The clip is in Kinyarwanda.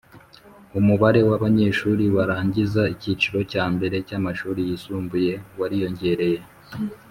Umubare w’abanyeshuri barangiza icyiciro cya mbere cy’amashuri yisumbuye wariyongereye